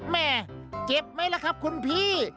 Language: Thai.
แม่เจ็บไหมล่ะครับคุณพี่